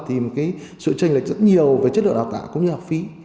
thì một sự tranh lệch rất nhiều về chất lượng đào tả cũng như học phí